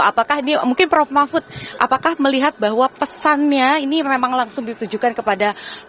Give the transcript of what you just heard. apakah ini mungkin prof mahfud apakah melihat bahwa pesannya ini memang langsung ditujukan kepada